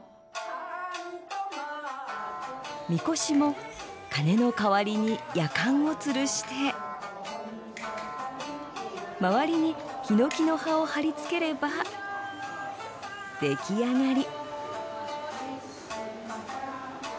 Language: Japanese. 神輿も鐘の代わりにやかんをつるして周りにひのきの葉を貼り付ければ出来上がり。